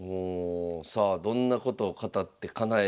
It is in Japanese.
どんなことを語ってかなえていくのか。